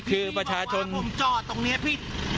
ที่บอกว่าผมจอดตรงนี้พี่